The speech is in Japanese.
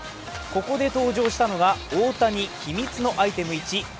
ここで登場したのが大谷秘密のアイテム